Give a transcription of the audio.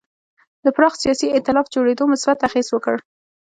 د پراخ سیاسي اېتلاف جوړېدو مثبت اغېز وکړ.